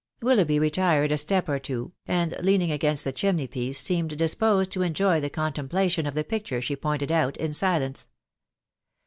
" Willoughby retired a step or two, and, leaning against the chimney piece, seemed disposed to enjoy the contemplation of the picture she pointed out in silence.